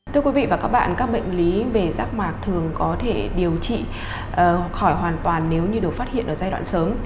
thưa quý vị và các bạn các bệnh lý về rác mạc thường có thể điều trị khỏi hoàn toàn nếu như được phát hiện ở giai đoạn sớm